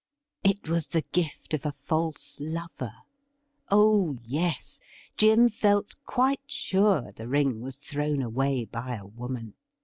It was the gift of a false lover. Oh yes, Jim felt quite siu e the ring was thrown away by a woman.